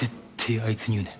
あいつに言うなよ